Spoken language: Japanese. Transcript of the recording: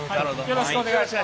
よろしくお願いします。